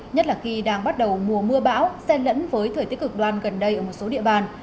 nhất là khi đang bắt đầu mùa mưa bão xen lẫn với thời tiết cực đoan gần đây ở một số địa bàn